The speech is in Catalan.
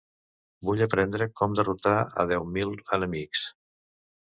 Vull aprendre com derrotar a deu mil enemics.